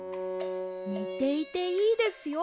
ねていていいですよ。